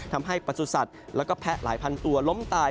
ทำให้ประสุทธิ์แล้วก็แพะหลายพันตัวล้มตาย